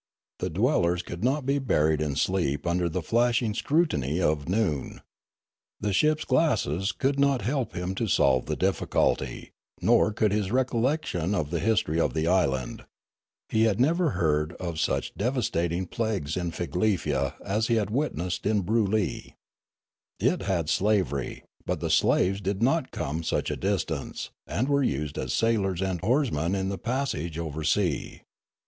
The dwellers could not be buried in sleep under the flashing scrutiny of noon. The ship's glasses could not help him to solve the difficulty ; nor could his recollection of the history of the island ; he had never heard of such devastating plagues in Figlefia as he had witnessed in Broolyi. It had slavery ; but the slaves did not come such a distance, and were used as sailors and oarsmen in the passage over sea.